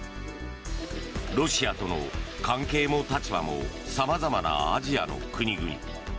ロシアとの関係も立場も様々なアジアの国々。